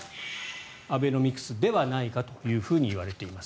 アベノミクスではないかというふうにいわれています。